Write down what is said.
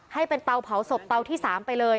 ให้เป็นเตาเผาศพเตาที่๓ไปเลย